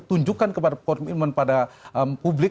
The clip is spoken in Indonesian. tunjukkan kepada komitmen publik